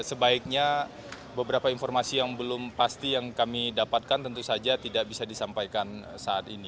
jadi sebaiknya beberapa informasi yang belum pasti yang kami dapatkan tentu saja tidak bisa disampaikan saat ini